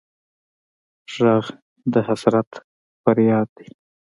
غږ د حسرت فریاد دی